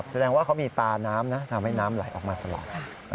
แสดงว่าเขามีตาน้ำนะทำให้น้ำไหลออกมาตลอด